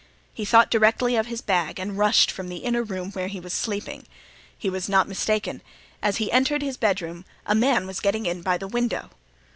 He thought directly of his bag and rushed from the inner room where he was sleeping. He was not mistaken; as he entered his bedroom a man was getting in by the window.